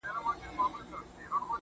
ستا د يادونو فلسفې ليكلي,